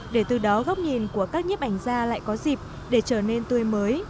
để từ đó góc nhìn của các nhếp ảnh ra lại có dịp để trở nên tươi mới